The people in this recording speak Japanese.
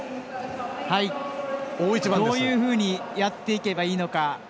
どういうふうにやっていけばいいのか